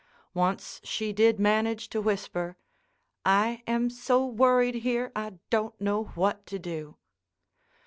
Once she did manage to whisper: "I am so worried here. I don't know what to do."